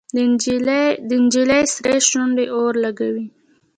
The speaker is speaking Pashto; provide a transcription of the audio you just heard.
د نجلۍ سرې شونډې اور لګوي.